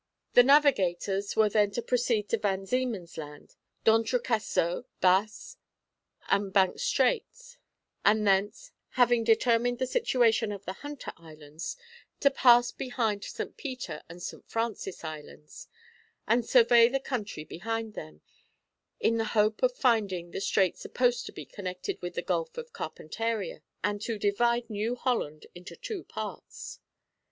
The navigators were then to proceed to Van Diemen's Land, D'Entrecasteaux, Bass, and Banks Straits, and thence, having determined the situation of the Hunter Islands, to pass behind St. Peter and St. Francis Islands, and survey the country behind them, in the hope of finding the strait supposed to be connected with the Gulf of Carpentaria and to divide New Holland into two parts.